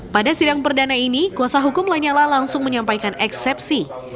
pada sidang perdana ini kuasa hukum lanyala langsung menyampaikan eksepsi